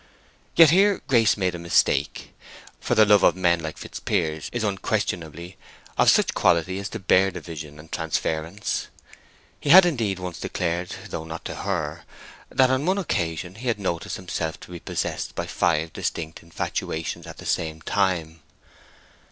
Yet here Grace made a mistake, for the love of men like Fitzpiers is unquestionably of such quality as to bear division and transference. He had indeed, once declared, though not to her, that on one occasion he had noticed himself to be possessed by five distinct infatuations at the same time.